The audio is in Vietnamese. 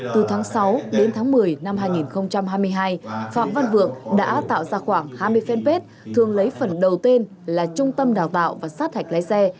từ tháng sáu đến tháng một mươi năm hai nghìn hai mươi hai phạm văn vượng đã tạo ra khoảng hai mươi fanpage thường lấy phần đầu tiên là trung tâm đào tạo và sát hạch lái xe